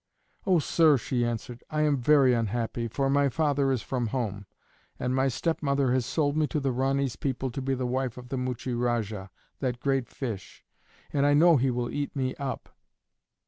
"Oh, sir," she answered, "I am very unhappy; for my father is from home, and my stepmother has sold me to the Ranee's people to be the wife of the Muchie Rajah, that great fish, and I know he will eat me up."